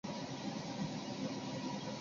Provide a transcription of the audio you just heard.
他是世界上任职时间最长的现任首相。